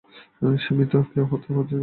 সে মৃত, কেউ তাকে হত্যা করেছে!